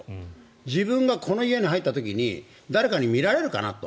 自分がこの家に入った時に誰かに見られるかなと。